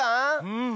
うん。